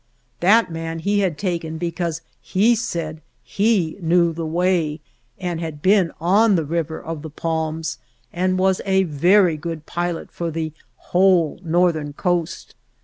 That man he had taken because he said he knew the way and had been on the 7 THE JOURNEY OF river of the Palms and was a very good pilot for the whole northern coast.